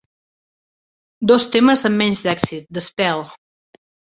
Dos temes amb menys d'èxit, "The Spell!"